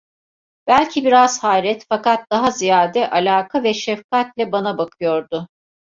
Belki biraz hayret, fakat daha ziyade, alaka ve şefkatle bana bakıyordu.